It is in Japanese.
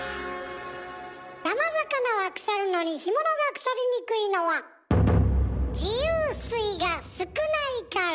生魚は腐るのに干物が腐りにくいのは自由水が少ないから。